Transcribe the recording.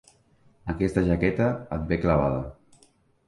Aquesta jaqueta et ve clavada.